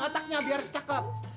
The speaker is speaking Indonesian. otaknya biar cakep